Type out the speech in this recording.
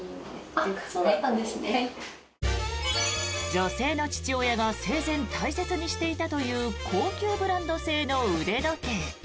女性の父親が生前、大切にしていたという高級ブランド製の腕時計。